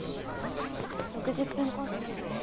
６０分コースですね？